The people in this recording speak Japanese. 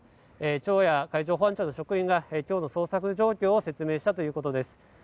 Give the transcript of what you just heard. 町や海上保安庁の職員が今日の捜索状況を説明したということです。